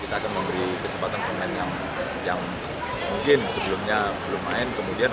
kita akan memberi kesempatan pemain yang yang mungkin sebelumnya belum main kemudian